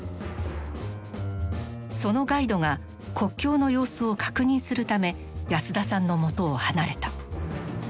そのガイドが国境の様子を確認するため安田さんのもとを離れた。